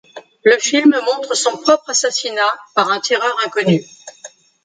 Le film montre son propre assassinat par un tireur inconnu.